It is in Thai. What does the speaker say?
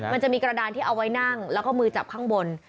มันจะมีกระดานที่เอาไว้นั่งแล้วก็มือจับข้างบน